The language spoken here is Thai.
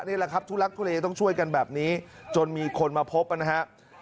นี่แหละครับทุลักทุเลต้องช่วยกันแบบนี้จนมีคนมาพบนะครับ